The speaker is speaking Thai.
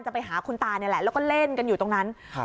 ไปหาคุณตานี่แหละแล้วก็เล่นกันอยู่ตรงนั้นครับ